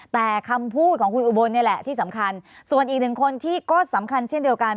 แต่คำพูดของคุณอุบลนี่แหละที่สำคัญส่วนอีกหนึ่งคนที่ก็สำคัญเช่นเดียวกัน